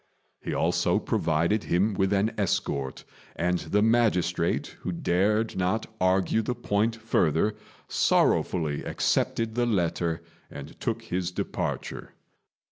He also provided him with an escort; and the magistrate, who dared not argue the point further, sorrowfully accepted the letter and took his departure.